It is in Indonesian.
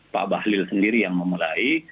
pak bahlil sendiri yang memulai